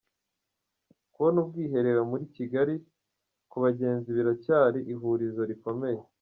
Kubona ubwiherero muri Kigali ku bagenzi biracyari ihurizo rikomeye